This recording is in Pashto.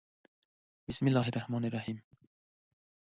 《بِسْمِ اللَّـهِ الرَّحْمَـٰنِ الرَّحِيمِ》